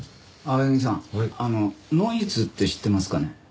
青柳さんノイズって知ってますかね？